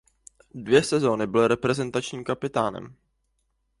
Dvě sezóny byl reprezentačním kapitánem.